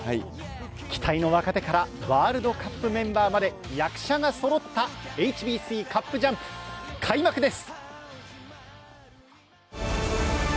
期待の若手からワールドカップメンバーまで、役者がそろったＨＢＣカップジャンプ、開幕です！